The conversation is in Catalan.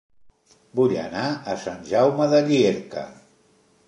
Vull anar a Sant Jaume de Llierca